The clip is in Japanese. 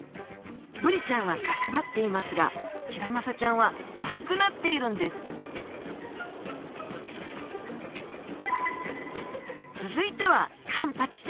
ブリちゃんは角張っていますがヒラマサちゃんは丸くなっているんです続いてはカンパチちゃん。